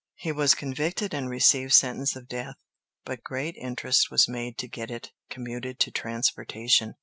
He was convicted and received sentence of death, but great interest was made to get it commuted to transportation.